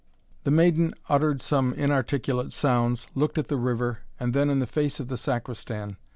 The maiden uttered some inarticulate sounds, looked at the river, and then in the face of the Sacristan.